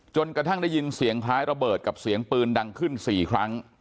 กระทั่งได้ยินเสียงคล้ายระเบิดกับเสียงปืนดังขึ้น๔ครั้ง